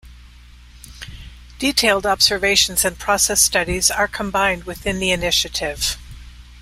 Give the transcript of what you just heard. Detailed observations and process studies are combined within the initiative.